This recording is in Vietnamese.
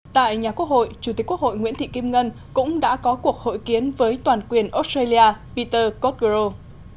tại nhà quốc hội chủ tịch quốc hội nguyễn thị kim ngân cũng đã có cuộc hội kiến với toàn quyền australia peter cotgro